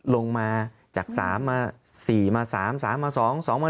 ลงมาจาก๓มา๔มา๓๓มา๒๒มา